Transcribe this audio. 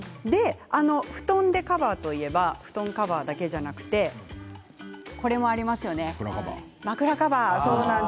布団でカバーといえば布団カバーだけじゃなくてこれもありますよね、枕カバー。